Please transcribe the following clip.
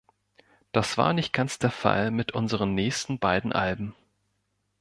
Das war nicht ganz der Fall mit unseren nächsten beiden Alben.